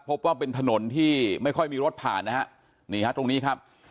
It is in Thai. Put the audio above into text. พบว่าเป็นถนนที่ไม่ค่อยมีรถผ่านนะฮะนี่ฮะตรงนี้ครับ